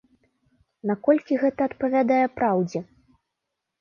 Наколькі гэта адпавядае праўдзе?